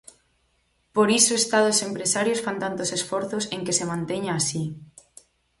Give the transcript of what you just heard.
Por iso estados e empresarios fan tantos esforzos en que se manteña así.